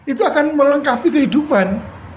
itu akan melengkapi kehidupan